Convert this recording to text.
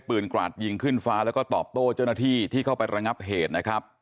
กราดยิงขึ้นฟ้าแล้วก็ตอบโต้เจ้าหน้าที่ที่เข้าไประงับเหตุนะครับ